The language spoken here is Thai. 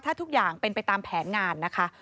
ถ้าทุกอย่างเป็นไปตามแผนงานนะคะ